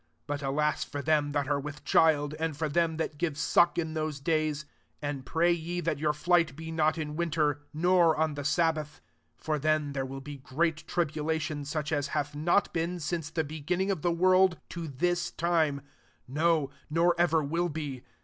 19 Butakti for them that are with child, and for them that give suck) in those days I 30 And pray y^ that your flight be not in wi* ter, nor on the sabbath. 21 F0f then there will be great tribul% tion such as hath not been sine! the beginning of the world, to thii time ; no, nor ever will be.